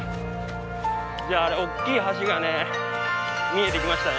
あれ大きい橋がね見えてきましたね。